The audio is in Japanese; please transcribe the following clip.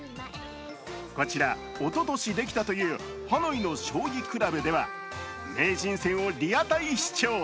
こちらおととしできたというハノイの将棋クラブでは名人戦をリアタイ視聴。